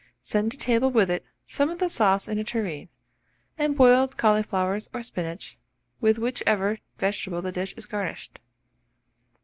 Send to table with it some of the sauce in a tureen, and boiled cauliflowers or spinach, with whichever vegetable the dish is garnished.